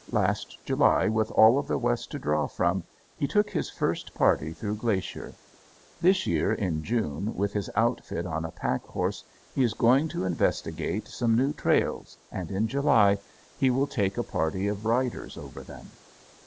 Last July, with all of the West to draw from, he took his first party through Glacier. This year in June, with his outfit on a pack horse, he is going to investigate some new trails and in July he will take a party of riders over them.